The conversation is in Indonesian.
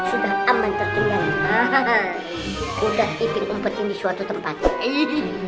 sudah aman terdengar hahaha udah dipingumpetin di suatu tempat ini